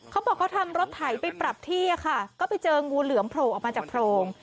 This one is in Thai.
เขาบอกเขาทำรถไถไปปรับที่อะค่ะก็ไปเจองูเหลือมโผล่ออกมาจากโพรง